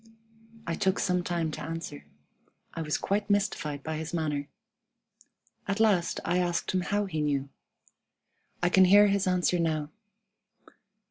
I took some time to answer. I was quite mystified by his manner. At last I asked him how he knew. I can hear his answer now.